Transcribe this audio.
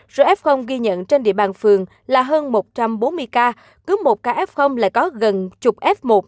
rf ghi nhận trên địa bàn phường là hơn một trăm bốn mươi ca cứ một ca f lại có gần chục f một